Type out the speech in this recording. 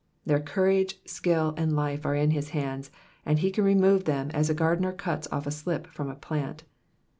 '*'^ Their courage, skill, and life are in his hands, and he can remove them as a gardener cuts off a slip from a plant.